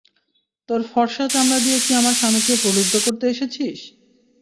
তোর ফর্সা চামড়া দিয়ে কি আমার স্বামীকে প্রলুদ্ধ করতে এসেছিস?